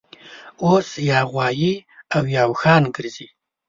اوس یا غوایي اویا اوښان ګرځي